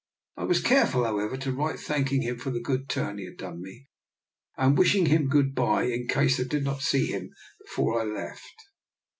I was care ful, however, to write thanking him for the good turn he had done me, and wishing him good bye in case I did not see him before I left.